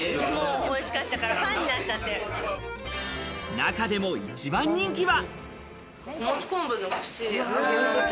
中でも一番人気は。